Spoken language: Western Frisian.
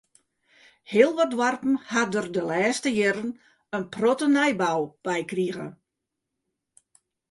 Heel wat doarpen ha der de lêste jierren in protte nijbou by krige.